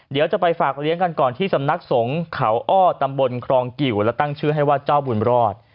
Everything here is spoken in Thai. เดี๋ยวจะไปฝากเลี้ยงกันก่อนที่สำนักสงฆ์เขาอ้อตำบลครองกิวและตั้งชื่อให้ว่าเจ้าบุญรอด